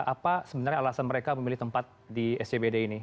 apa sebenarnya alasan mereka memilih tempat di scbd ini